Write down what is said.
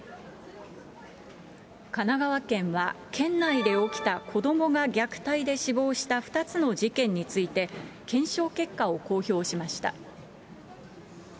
神奈川県は県内で起きた子どもが虐待で死亡した２つの事件について、検証結果を公表しました。